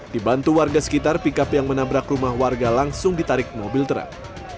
dibantu warga sekitar pickup yang menabrak rumah warga langsung ditarik mobil terang